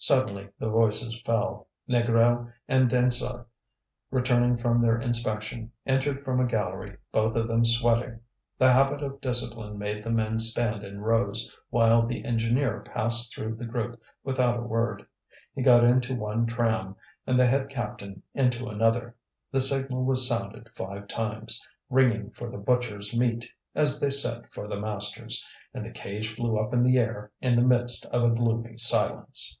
Suddenly the voices fell; Négrel and Dansaert, returning from their inspection, entered from a gallery, both of them sweating. The habit of discipline made the men stand in rows while the engineer passed through the group without a word. He got into one tram, and the head captain into another, the signal was sounded five times, ringing for the butcher's meat, as they said for the masters; and the cage flew up in the air in the midst of a gloomy silence.